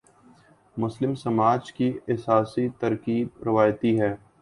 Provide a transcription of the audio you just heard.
مسلم سماج کی اساسی ترکیب روایتی ہے۔